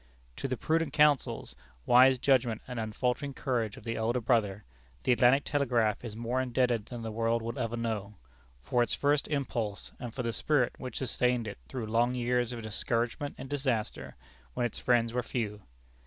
To the prudent counsels, wise judgment and unfaltering courage of the elder brother, the Atlantic Telegraph is more indebted than the world will ever know, for its first impulse and for the spirit which sustained it through long years of discouragement and disaster, when its friends were few.